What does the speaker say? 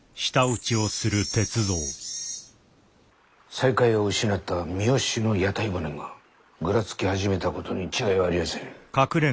西海屋を失った三好の屋台骨がぐらつき始めたことに違いはありやせん。